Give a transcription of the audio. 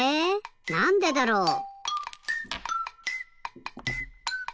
なんでだろう。